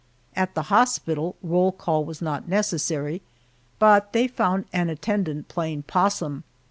At the hospital, roll call was not necessary, but they found an attendant playing possum!